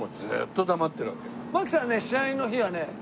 槙さんはね試合の日はね一切。